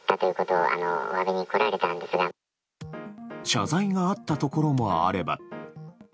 謝罪があったところもあれば。